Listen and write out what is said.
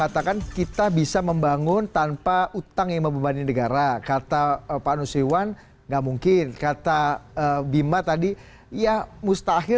tetap bersama kami